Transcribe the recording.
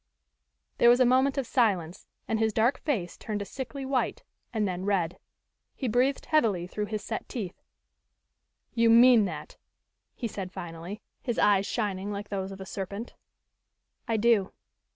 There was a moment of silence, and his dark face turned a sickly white and then red. He breathed heavily through his set teeth. "You mean that?" he said finally, his eyes shining like those of a serpent. "I do."